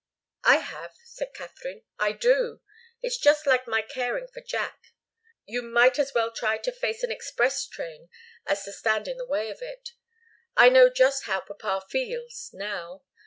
"I have," said Katharine. "I do. It's just like my caring for Jack. You might as well try to face an express train as to stand in the way of it. I know just how papa feels now.